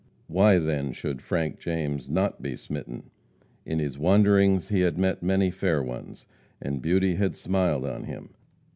Why, then, should Frank James not be smitten? In his wanderings he had met many fair ones. And beauty had smiled on him.